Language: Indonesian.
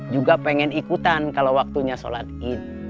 juga pengen ikutan kalau waktunya sholat id